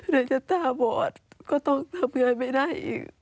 ในชัดสาวบอดก็ต้องทำงานไม่ได้อีก